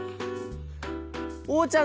おうちゃん